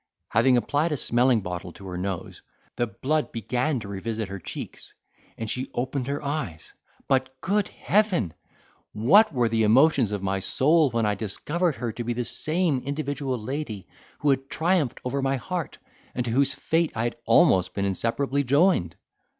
Having applied a smelling bottle to her nose, the blood began to revisit her cheeks, and she opened her eyes; but, good heaven! what were the emotions of my soul, when I discovered her to be the same individual lady who had triumphed over my heart, and to whose fate I had almost been inseparably joined!